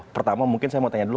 pertama mungkin saya mau tanya dulu